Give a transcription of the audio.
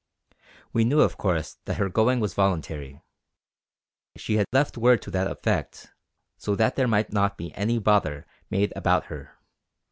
We knew of course that her going was voluntary; she had left word to that effect, so that there might not be any bother made about her.